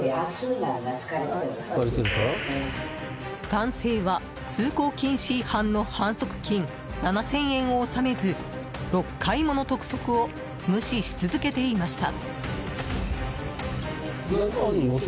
男性は通行禁止違反の反則金７０００円を納めず６回もの督促を無視し続けていました。